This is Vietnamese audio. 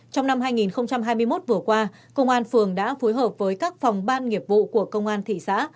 trong năm hai nghìn hai mươi một vừa qua công an phường đã phối hợp với các phòng ban nghiệp vụ của công an thị xã